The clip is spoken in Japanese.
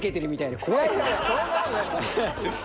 そんなことないっすよ！